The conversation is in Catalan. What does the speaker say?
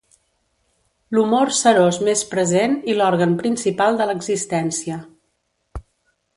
L'humor serós més present i l'òrgan principal de l'existència.